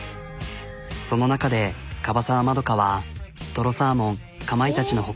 その中で樺澤まどかはとろサーモンかまいたちの他